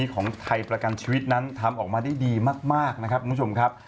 ของไทยประกันชีวิตนั้นทำออกมาได้ดีมากนะครับคุณผู้ชมครับ